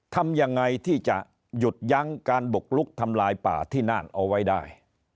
ทำยังไงที่จะหยุดยั้งการบุกลุกทำลายป่าที่น่านเอาไว้ได้